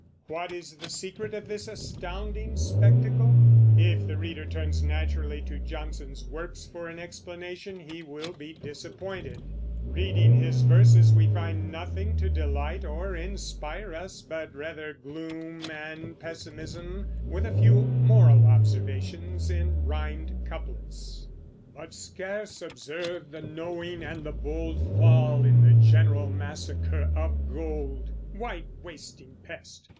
What is the secret of this astounding spectacle? If the reader turns naturally to Johnson's works for an explanation, he will be disappointed. Reading his verses, we find nothing to delight or inspire us, but rather gloom and pessimism, with a few moral observations in rimed couplets: But, scarce observed, the knowing and the bold Fall in the general massacre of gold; Wide wasting pest!